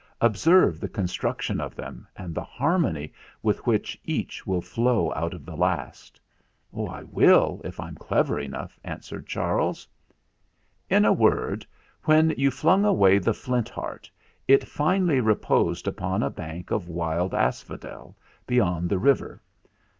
Observe the construction of them, and the harmony with which each will flow out of the last." 184 THE FLINT HEART "I will, if I'm clever enough," answered Charles. "In a word, when you flung away the Flint Heart, it finally reposed upon a bank of wild asphodel beyond the river.